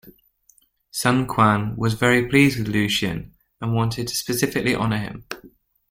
Sun Quan was very pleased with Lu Xun and wanted to specially honour him.